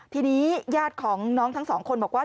ทีนี้ญาติของน้องทั้งสองคนบอกว่า